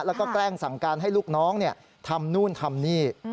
แล้วก็แกล้งสั่งการให้ลูกน้องทำนู่นทำนี่